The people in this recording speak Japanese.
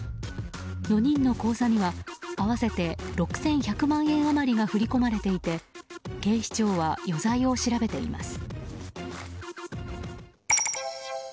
４人の口座には合わせて６１００万円余りが振り込まれていて警視庁は余罪を調べています。